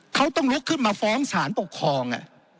เขาต้องลุกขึ้นมาฟ้องสารปกครอง